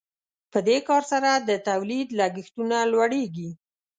په دې کار سره د تولید لګښتونه لوړیږي.